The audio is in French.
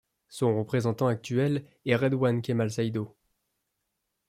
Son représentant actuel est Redwan Kemal Saydo.